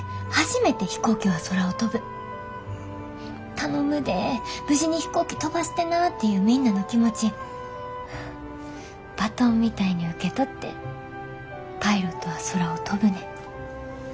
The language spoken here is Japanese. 頼むで無事に飛行機飛ばしてなっていうみんなの気持ちバトンみたいに受け取ってパイロットは空を飛ぶねん。